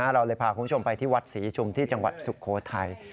เราเลยพาคุณผู้ชมไปที่วัดศรีชุมที่จังหวัดสุโขทัย